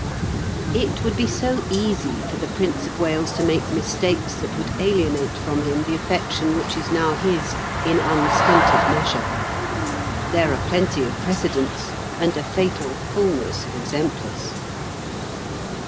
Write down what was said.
It would be so easy for the Prince of Wales to make mistakes that would alienate from him the affection which is now his in unstinted measure. There are plenty of precedents, and a fatal fulness of exemplars.